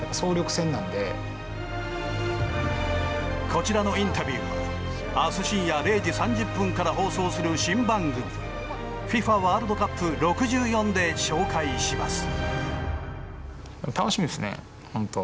こちらのインタビューは明日深夜０時３０分から放送する新番組「ＦＩＦＡワールドカップ６４」で紹介します。